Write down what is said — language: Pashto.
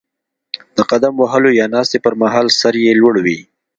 د قدم وهلو یا ناستې پر مهال سر یې لوړ وي.